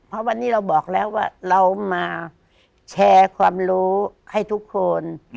เพราะวันนี้เราบอกแล้วว่าเรามาแชร์ความรู้ให้ทุกคน